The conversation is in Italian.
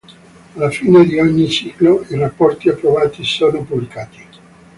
Alla fine di ogni ciclo, i rapporti approvati sono pubblicati.